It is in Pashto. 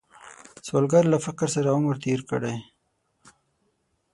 سوالګر له فقر سره عمر تیر کړی